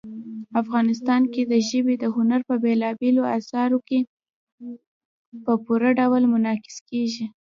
افغانستان کې ژبې د هنر په بېلابېلو اثارو کې په پوره ډول منعکس کېږي.